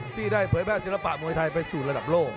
ที่ได้เผยแพร่ศิลปะมวยไทยไปสู่ระดับโลก